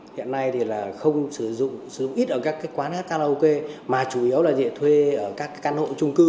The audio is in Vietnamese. hiện nay thì là không sử dụng sử dụng ít ở các cái quán karaoke mà chủ yếu là dễ thuê ở các cái căn hộ trung cư